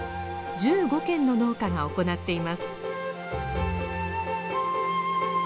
１５軒の農家が行っています。